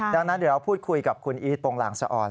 ดังนั้นเดี๋ยวเราพูดคุยกับคุณอีทโปรงลางสะอ่อน